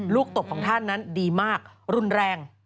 ตบของท่านนั้นดีมากรุนแรง